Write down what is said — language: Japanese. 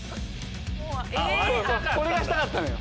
これがしたかったのよ。